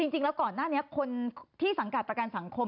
จริงแล้วก่อนหน้านี้คนที่สังกัดประกันสังคม